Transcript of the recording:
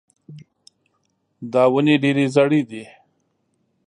دا ونې ډېرې زاړې دي.